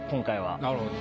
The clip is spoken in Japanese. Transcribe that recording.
なるほど。